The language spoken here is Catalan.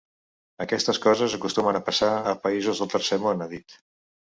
Aquestes coses acostumen a passar a països del tercer món, ha dit.